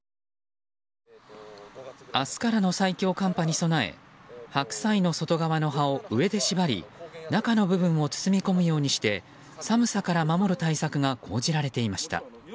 明日からの最強寒波に備え白菜の外側の葉を上で縛り中の部分を包み込むようにして寒さから守る対策が講じられていました。